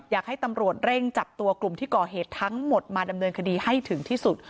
อยากให้ตำรวจเร่งจับตัวกลุ่มที่ก่อเหตุทั้งหมดมาดำเนินคดีให้ถึงที่สุด